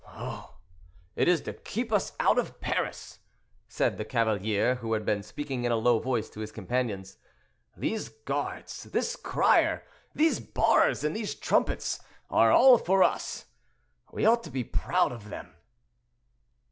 "Oh! it is to keep us out of Paris," said the cavalier, who had been speaking in a low voice to his companions. "These guards, this crier, these bars, and these trumpets are all for us; we ought to be proud of them."